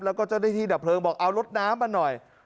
แล้วก็เจ้าหน้าที่ดับเพลิงบอกเอารถน้ำมาหน่อย